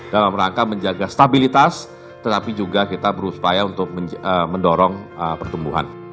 dalam rangka menjaga stabilitas tetapi juga kita berupaya untuk mendorong pertumbuhan